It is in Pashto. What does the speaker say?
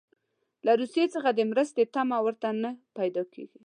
له روسیې څخه د مرستې تمه ورته نه پیدا کیږي.